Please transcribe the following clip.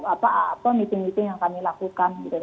apa apa meeting meeting yang kami lakukan gitu